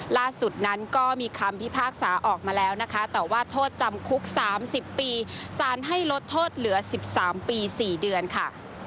ล่าสุดนั้นก็มีคำพิพากษาออกมาแล้วนะคะแต่ว่าโทษจำคุก๓๐ปีสารให้ลดโทษเหลือ๑๓ปี๔เดือนค่ะ